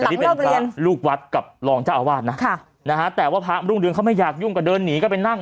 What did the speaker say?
แต่นี่เป็นพระลูกวัดกับรองเจ้าอาวาสนะค่ะนะฮะแต่ว่าพระรุ่งเรืองเขาไม่อยากยุ่งก็เดินหนีก็ไปนั่ง